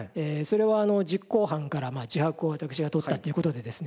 それは実行犯から自白を私が取ったという事でですね